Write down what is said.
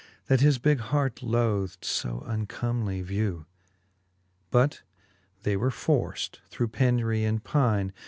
That his bigge hart loth'd fo uncomely vew. But they were forft through penury and pyne.